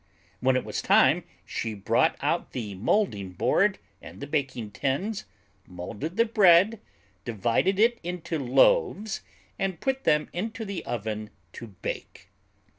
When it was time she brought out the moulding board and the baking tins, moulded the bread, divided it into loaves, and put them into the oven to bake.